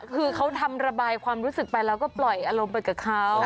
คือเขาทำระบายความรู้สึกไปแล้วก็ปล่อยอารมณ์ไปกับเขา